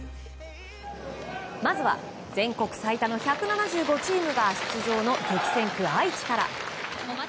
まずは全国最多の１７５チームが出場の激戦区、愛知から。